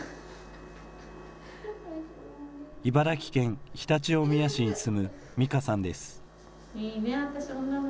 茨城県常陸大宮市に住むみかさんです。